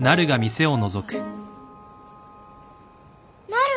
なる！